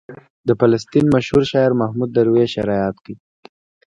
د فلسطین مشهور شاعر محمود درویش یې رایاد کړ.